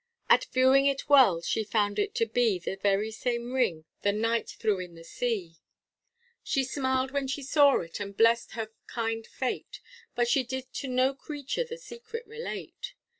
At viewing it well she found it to be The very same ring the Knight threw in the sea, She smiled when she saw it, and blest her kind fate, But she did to no creature the secret relate.